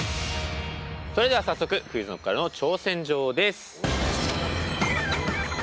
それでは早速ＱｕｉｚＫｎｏｃｋからの挑戦状です。